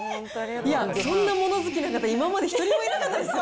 そんな物好きな方、今まで一人もいなかったですよ。